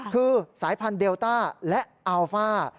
คือสายพันธุเดลต้าและอัลฟ่า